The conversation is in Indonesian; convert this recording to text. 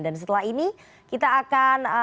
dan setelah ini kita akan